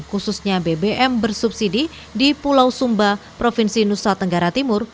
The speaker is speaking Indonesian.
khususnya bbm bersubsidi di pulau sumba provinsi nusa tenggara timur